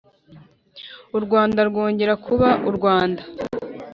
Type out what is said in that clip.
u rwanda rwongera kuba u rwanda